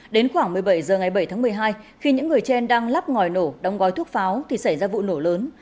đến khoảng một mươi bảy h ngày bảy tháng một mươi hai khi những người trên đang lắp ngòi nổ đóng gói thuốc pháo thì xảy ra vụ nổ lớn